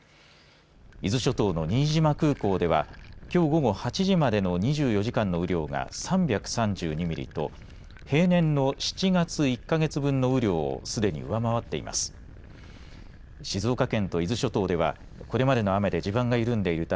伊豆諸島の新島空港ではきょう午後８時までの２４時間の雨量が３３２ミリと平年の７月１か月分の雨量をすでに上回っています。